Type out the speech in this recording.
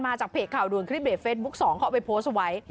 มาจากเพจข่าวรวงคลิปในเฟสบุ๊ค๒เขาเอาไปโพสต์ไว้